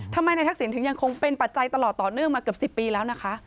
ทำไมนายทักษิณถึงยังคงเป็นปัจจัยตลอดต่อเนื่องมาเกือบ๑๐ปีแล้วนะคะ